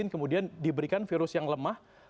kemudian diberikan virus yang lemah